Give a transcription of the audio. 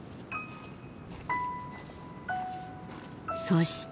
そして。